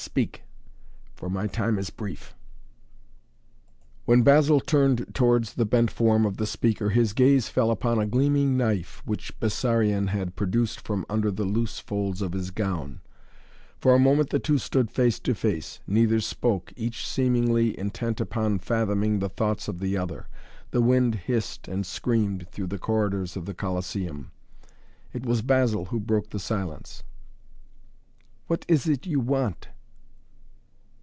Speak for my time is brief " When Basil turned towards the bent form of the speaker his gaze fell upon a gleaming knife which Bessarion had produced from under the loose folds of his gown. For a moment the two stood face to face. Neither spoke, each seemingly intent upon fathoming the thoughts of the other. The wind hissed and screamed through the corridors of the Colosseum. It was Basil who broke the silence. "What is it, you want?"